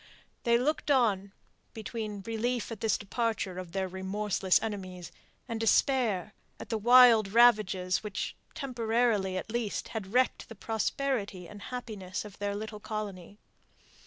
They looked on, between relief at this departure of their remorseless enemies, and despair at the wild ravages which, temporarily at least, had wrecked the prosperity and happiness of that little colony.